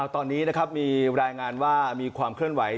ตอนนี้มีรายงานว่ามีความเคลื่อนไหว